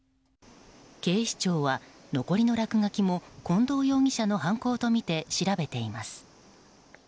警視庁は残りの落書きも近藤容疑者の犯行とみて調べています。